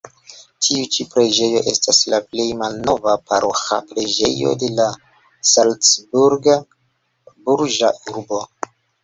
Tiu ĉi preĝejo estas la plej malnova paroĥa preĝejo de la salcburga burĝa urbo.